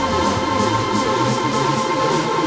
ya gue seneng